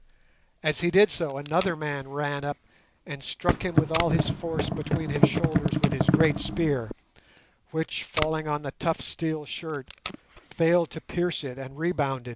As he did so, another man ran up and struck him with all his force between his shoulders with his great spear, which, falling on the tough steel shirt, failed to pierce it and rebounded.